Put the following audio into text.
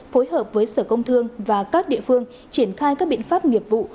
phối hợp với sở công thương và các địa phương triển khai các biện pháp nghiệp vụ